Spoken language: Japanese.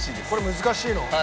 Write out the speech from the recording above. これ難しいの？